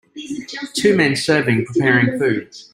two men serving preparing food.